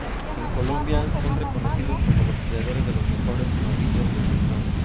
En Colombia, son reconocidos como los creadores de los mejores novillos del mercado.